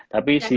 tapi si b